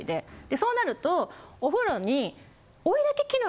そうなるとお風呂に。